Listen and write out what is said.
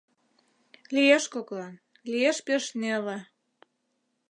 Лиеш коклан, лиеш пеш неле